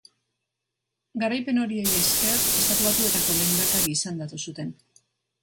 Garaipen horiei esker, Estatu Batuetako lehendakari izendatu zuten.